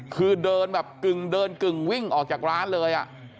คือเดินแบบกึ่งเดินกึ่งวิ่งออกจากร้านเลย